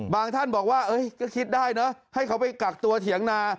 ท่านบอกว่าก็คิดได้เนอะให้เขาไปกักตัวเถียงนา